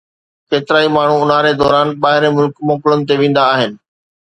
ڪيترائي ماڻهو اونهاري دوران ٻاهرين ملڪ موڪلن تي ويندا آهن.